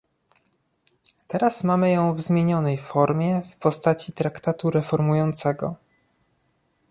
Teraz mamy ją w zmienionej formie w postaci traktatu reformującego